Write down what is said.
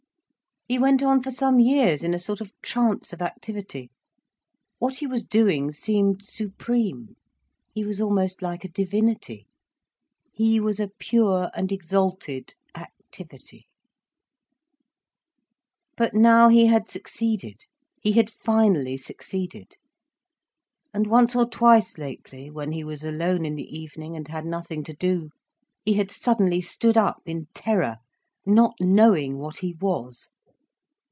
He went on for some years in a sort of trance of activity. What he was doing seemed supreme, he was almost like a divinity. He was a pure and exalted activity. But now he had succeeded—he had finally succeeded. And once or twice lately, when he was alone in the evening and had nothing to do, he had suddenly stood up in terror, not knowing what he was.